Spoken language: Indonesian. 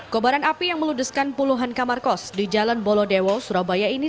kobaran api yang meludeskan puluhan kamar kos di jalan bolodewo surabaya ini